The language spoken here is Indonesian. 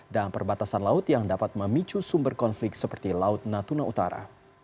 dan perbatasan laut yang dapat memicu sumber konflik seperti laut natuna utara